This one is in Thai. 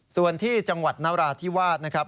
ส่วนที่จังหวัดนราธิวาสนะครับ